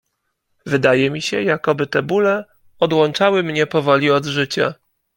Wydaje mi się, jakoby te bóle odłączały mnie powoli od życia.